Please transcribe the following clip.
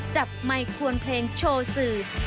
จับไมควรเพลงโชว์สือ